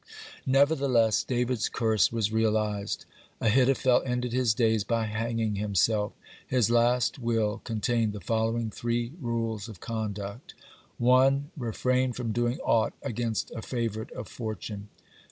(70) Nevertheless David's curse was realized. Ahithophel ended his days by hanging himself. His last will contained the following three rules of conduct: (71) 1. Refrain from doing aught against a favorite of fortune.